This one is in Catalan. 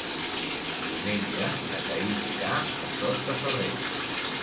Diumenge na Thaís irà a Sot de Ferrer.